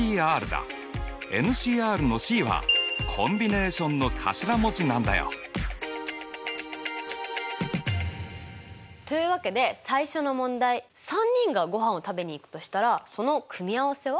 ＣのＣは「Ｃｏｍｂｉｎａｔｉｏｎ」の頭文字なんだよ。というわけで最初の問題３人がごはんを食べに行くとしたらその組合せは？